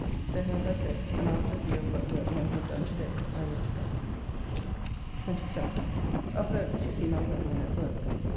So home by coach, and after a view of what the workmen had done to day I went to bed. 27th. Up early to see my workmen at work.